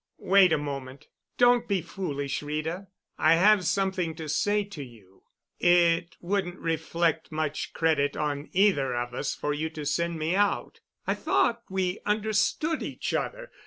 "Wait a moment. Don't be foolish, Rita. I have something to say to you. It wouldn't reflect much credit on either of us for you to send me out. I thought we understood each other.